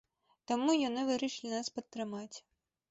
Таму яны вырашылі нас падтрымаць.